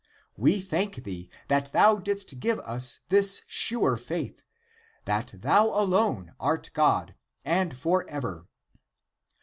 We thank thee, that thou didst give us this sure < faith >, that thou alone art God, and, for ever.